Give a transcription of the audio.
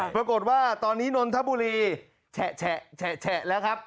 ปรากฏว่าตอนนี้นนทบุรีแชะแชะแชะแชะแล้วครับ